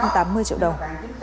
ba trăm tám mươi triệu đồng